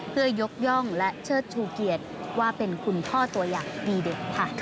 เพื่อยกย่องและเชิดชูเกียรติว่าเป็นคุณพ่อตัวอย่างดีเด็ดค่ะ